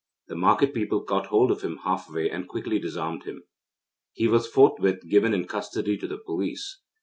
The market people caught hold of him half way, and quickly disarmed him. He was forthwith given in custody to the police.